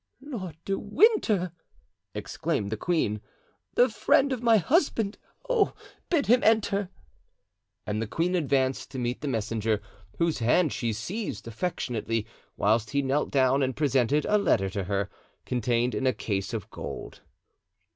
"Lord de Winter!" exclaimed the queen, "the friend of my husband. Oh, bid him enter!" And the queen advanced to meet the messenger, whose hand she seized affectionately, whilst he knelt down and presented a letter to her, contained in a case of gold.